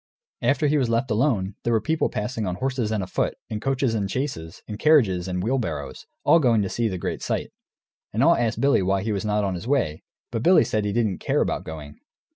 After he was left alone, there were people passing on horses and afoot, in coaches and chaises, in carriages and in wheelbarrows, all going to see the great sight. And all asked Billy why he was not on his way. But Billy said he didn't care about going.